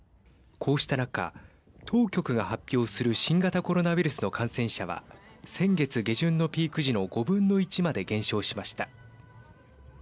こうした中、当局が発表する新型コロナウイルスの感染者は先月下旬のピーク時の５分の１まで減少しました。